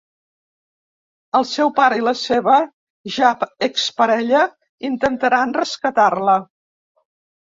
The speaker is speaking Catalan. El seu pare i la seva ja exparella intentaran rescatar-la.